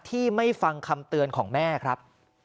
ที่ไม่ฟังคำเตือนของแม่ครับ